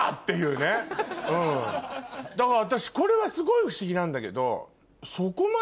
私これはすごい不思議なんだけど。